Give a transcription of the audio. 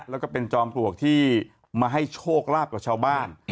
แล้วก็เป็นจอมปลวกที่มาให้โชคลาภกับชาวบ้าน